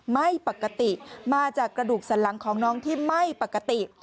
ไม่ปกติมาจากกระดูกสันหลังของน้องที่ไม่ปกติ